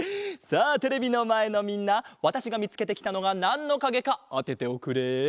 さあテレビのまえのみんなわたしがみつけてきたのがなんのかげかあてておくれ。